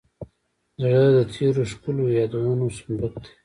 زړه د تېرو ښکلو یادونو صندوق دی.